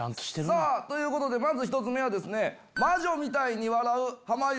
さぁということでまず１つ目はですね。